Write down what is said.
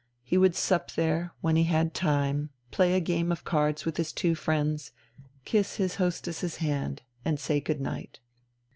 He would sup there, when he had time, play a game of cards with his two friends, kiss his hostess's hand, and say good night.